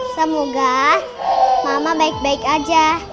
semoga mama baik baik aja